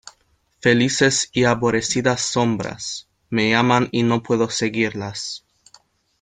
¡ felices y aborrecidas sombras: me llaman y no puedo seguirlas!